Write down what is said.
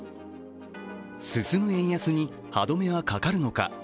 進む円安に歯止めはかかるのか。